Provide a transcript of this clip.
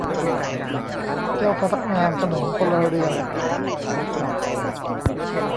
เจ้าพนักงานสนมพลเรือน